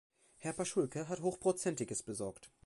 Herr Paschulke hat Hochprozentiges besorgt.